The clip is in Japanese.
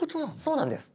そうなんです。